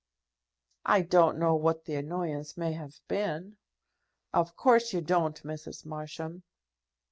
"I don't know what the annoyance may have been." "Of course you don't, Mrs. Marsham."